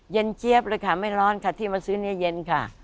เจี๊ยบเลยค่ะไม่ร้อนค่ะที่มาซื้อเนื้อเย็นค่ะ